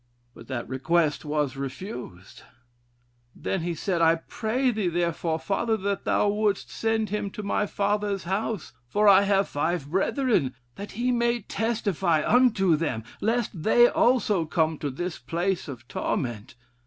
But that request was refused. 'Then he said, I pray thee, therefore, Father, that thou wouldst send him to my father's house; for I have five brethren, that he may testify unto them, lest they also come to this place of torment.'